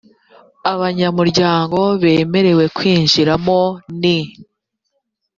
abanyamuryango bemerewe kwinjiramo ni